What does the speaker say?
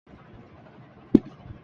جس قسم کی سوچ ن لیگ کی ہے۔